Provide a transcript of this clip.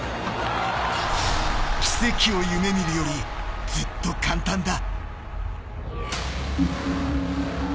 奇跡を夢見るよりずっと簡単だ。